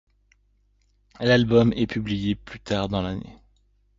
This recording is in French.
L'album est publié plus tard dans l'année.